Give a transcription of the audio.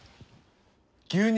牛乳！